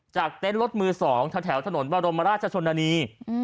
จากเต้นรถมือ๒ทางแถวถนนบรมราชชนนานี